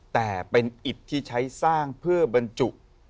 ก้อนอิตที่ใช้สร้างเพื่อบรรจุ